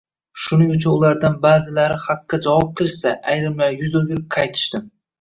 Shuning uchun ulardan ba’zilari haqqa javob qilishsa, ayrimlari yuz o‘girib, qaytishdi